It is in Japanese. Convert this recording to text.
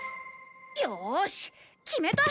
よし決めた！